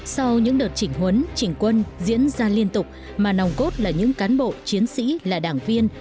sau những đợt chỉnh huấn chỉnh quân diễn ra liên tục mà nòng cốt là những cán bộ chiến sĩ là đảng viên